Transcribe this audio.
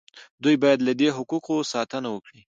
دوی باید له دې حقوقو ساتنه وکړي.